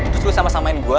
terus lu sama samain gue